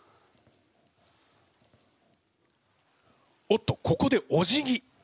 おっとここでおじぎ。